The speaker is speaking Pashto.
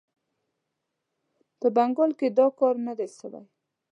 په بنګال کې دا کار نه دی سوی.